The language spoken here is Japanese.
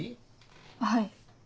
はい。